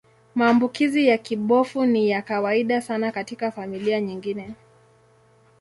Maambukizi ya kibofu ni ya kawaida sana katika familia nyingine.